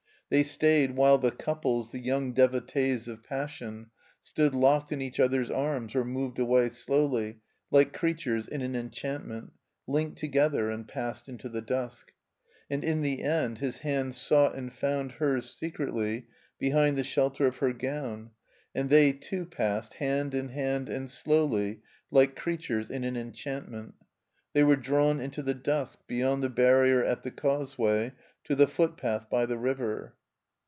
They stayed while the couples, the young devotees of passion, stood locked in each other's arms, or moved away, slowly, like creatures in an enchantment, linked together, and passed into the dusk. And in the end his hand sought and fotmd hers, secretly, behind the shelter of her gown, and they too passed, hand in hand and slowly, like creatures in an enchantment; they were drawn into the dusk, beyond the barrier at the Causeway, to the footpath by the river.